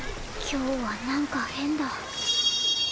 今日はなんか変だ。